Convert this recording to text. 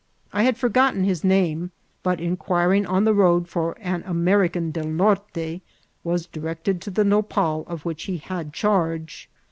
I had forgotten his name, but, inquiring on the road for an American del Norte, was directed to the nopal of which he had charge.